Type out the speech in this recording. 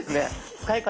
使い方